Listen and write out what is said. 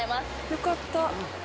よかった。